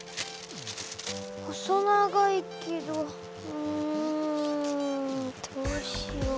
細長いけどうんどうしよう。